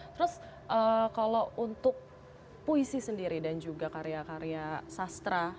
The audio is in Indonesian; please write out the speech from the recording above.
terus kalau untuk puisi sendiri dan juga karya karya sastra